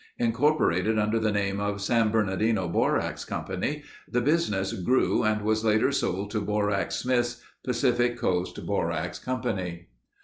Incorporated under the name of San Bernardino Borax Company, the business grew and was later sold to Borax Smith's Pacific Coast Borax Company.